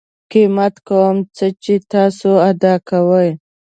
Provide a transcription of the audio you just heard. قیمت کوم څه چې تاسو ادا کوئ